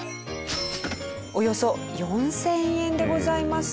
およそ４０００円でございます。